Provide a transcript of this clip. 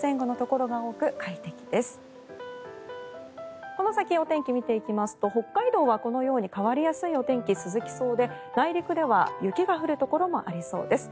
この先、お天気を見ていきますと北海道は変わりやすいお天気が続きそうで、内陸では雪が降るところもありそうです。